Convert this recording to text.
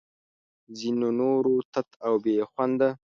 ځینو نورو تت او بې خونده